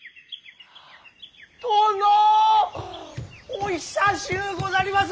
お久しゅうござります！